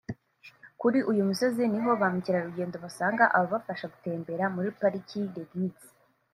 Kuri uyu musozi niho ba mukerarugendo basanga ababafasha gutembera muri Pariki (les guides)